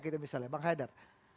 kita bisa pak haidar